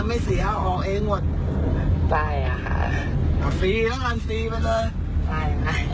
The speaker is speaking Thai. ก็เจ้างน้องก็อาจเห็นสวรรค์ได้